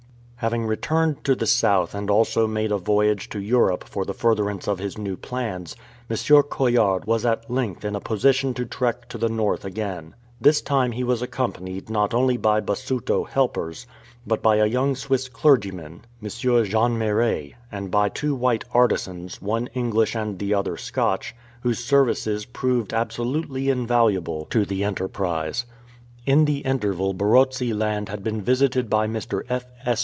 Having returned to the south and also made a voyage to Europe for the furtherance of his new plans, M. Coillard was at length in a position to trek to the north again. This time he was accompanied not only by Basuto helpers, but by a young Swiss clergyman, M. Jeanmairet, and by two white artisans, one English and the other Scotch, whose services proved absolutely invaluable to the enter THE MAKARI KARI DESERT prise. In the interval Barotseland had been visited by Mr. F. S.